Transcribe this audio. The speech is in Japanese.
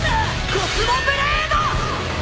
コスモブレード！